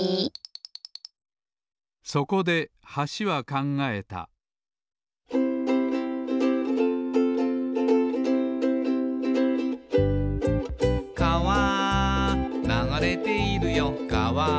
そこで橋は考えた「かわ流れているよかわ」